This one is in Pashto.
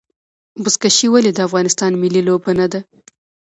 بزکشي ولې د افغانستان ملي لوبه نه ده؟